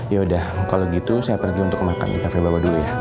yaudah kalo gitu saya pergi untuk makan di cafe bawah dulu ya